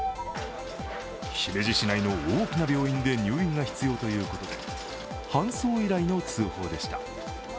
姫路市内の大きな病院で入院が必要だということで搬送依頼の通報でした。